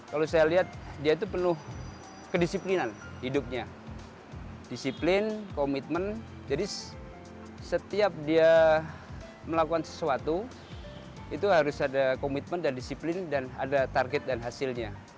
kalau saya lihat dia itu penuh kedisiplinan hidupnya disiplin komitmen jadi setiap dia melakukan sesuatu itu harus ada komitmen dan disiplin dan ada target dan hasilnya